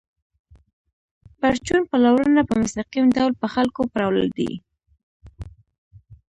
پرچون پلورنه په مستقیم ډول په خلکو پلورل دي